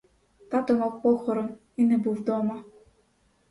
Тато мав похорон і не був дома.